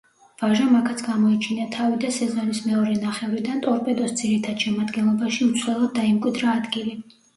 ვაჟამ აქაც გამოიჩინა თავი და სეზონის მეორე ნახევრიდან „ტორპედოს“ ძირითად შემადგენლობაში უცვლელად დაიმკვიდრა ადგილი.